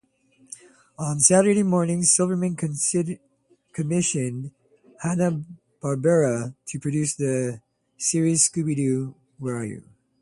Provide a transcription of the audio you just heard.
On Saturday mornings, Silverman commissioned Hanna-Barbera to produce the series Scooby-Doo, Where Are You!